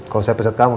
kalau saya pecat kamu